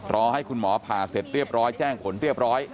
รอให้คุณหมอผ่าเสร็จเรียบร้อยแจ้งผลเรียบร้อย